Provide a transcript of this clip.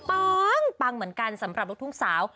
ปังเหมือนกันสำหรับลูกทุ่งสาว